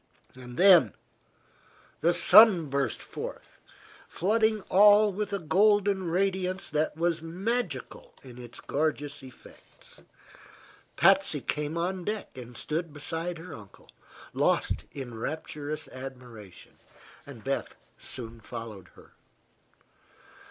Then the sun burst forth, flooding all with a golden radiance that was magical in its gorgeous effects. Patsy came on deck and stood beside her uncle, lost in rapturous admiration. Beth soon followed her.